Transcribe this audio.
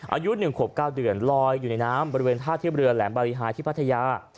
อายุ๑ขวบ๙เดือนลอยอยู่ในน้ำบริเวณท่าเทียบเรือแหลมบาริหายที่พัทยา